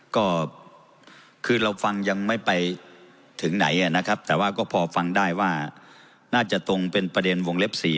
ก็คือเราฟังยังไม่ไปถึงไหนนะครับแต่ว่าก็พอฟังได้ว่าน่าจะตรงเป็นประเด็นวงเล็บ๔